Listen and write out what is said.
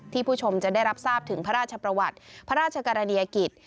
ผู้ชมจะได้รับทราบถึงพระราชประวัติพระราชกรณียกิจ